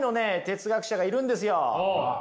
哲学者がいるんですよ。